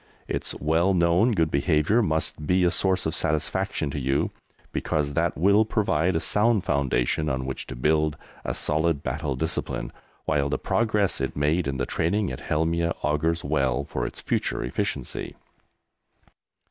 Its well known good behaviour must be a source of satisfaction to you, because that will provide a sound foundation on which to build a solid battle discipline, while the progress it made in the training at Helmieh augurs well for its future efficiency.